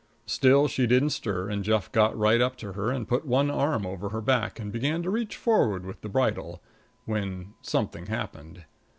Still she didn't stir and Jeff got right up to her and put one arm over her back and began to reach forward with the bridle, when something happened.